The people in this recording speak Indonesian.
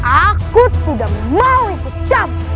aku tidak mau di pecah